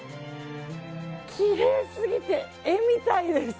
きれいすぎて、絵みたいです。